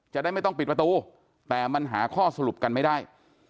จะได้ไม่ต้องปิดประตูแต่มันหาข้อสรุปกันไม่ได้